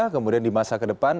kemudian di masa ke depan